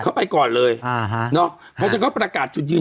เขาไปก่อนเลยอ่าฮะเนอะเพราะฉะนั้นก็ประกาศจุดยืน